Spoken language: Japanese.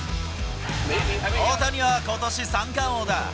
大谷はことし三冠王だ。